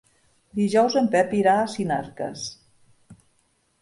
Dijous en Pep irà a Sinarques.